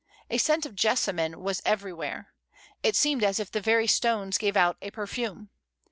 A scent of jessa mine was everywhere; it seemed as if the very stones gave out a perfume.